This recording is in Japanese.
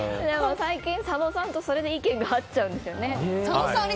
最近、佐野さんとそれで意見が合っちゃうんですよね。